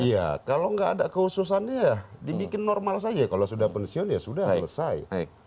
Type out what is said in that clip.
iya kalau nggak ada kehususannya ya dibikin normal saja kalau sudah pensiun ya sudah selesai